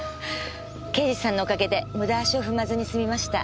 刑事さんのお陰で無駄足を踏まずに済みました。